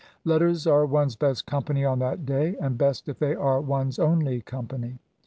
Letters are one's best company on that day, — ^and best if they are one's only company.